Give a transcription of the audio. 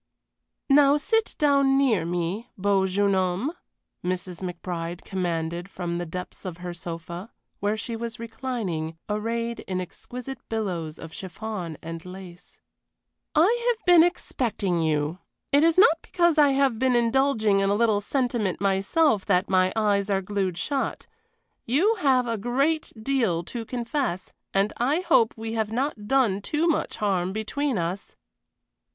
"Now sit down near me, beau jeune homme," Mrs. McBride commanded from the depths of her sofa, where she was reclining, arrayed in exquisite billows of chiffon and lace. "I have been expecting you. It is not because I have been indulging in a little sentiment myself that my eyes are glued shut you have a great deal to confess and I hope we have not done too much harm between us."